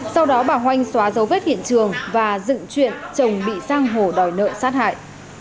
sau đó bà hoanh xóa dấu vết hiện trường và dựng chuyện chồng bị giam hồ đòi nợ sát hại